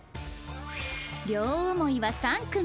両思いは３組